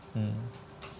ada beberapa kader pks